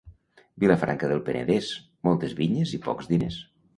Vilafranca del Penedès, moltes vinyes i pocs diners.